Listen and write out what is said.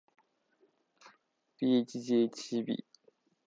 bhghcb